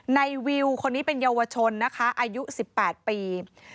วิวคนนี้เป็นเยาวชนนะคะอายุ๑๘ปี